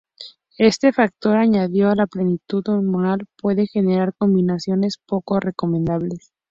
Este factor, añadido a la plenitud hormonal, puede generar combinaciones poco recomendables.